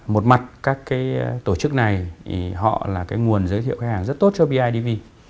một mặt các tổ chức này là nguồn giới thiệu khách hàng rất tốt cho bidv